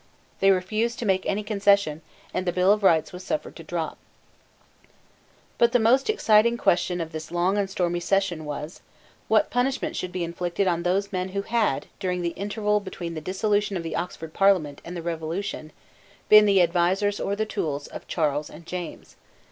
They refused to make any concession; and the Bill of Rights was suffered to drop, But the most exciting question of this long and stormy session was, what punishment should be inflicted on those men who had, during the interval between the dissolution of the Oxford Parliament and the Revolution, been the advisers or the tools of Charles and James.